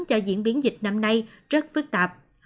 cho diễn biến dịch năm nay rất phức tạp